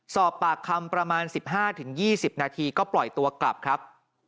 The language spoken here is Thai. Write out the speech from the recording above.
สอบปากคำประมาณ๑๕๒๐นาทีก็ปล่อยตัวกลับครับ